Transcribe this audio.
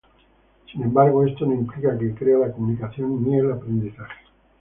Sin embargo, esto no implica que crea la comunicación ni el aprendizaje.